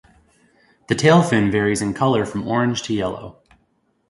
The tail fin varies in colour from orange to yellow.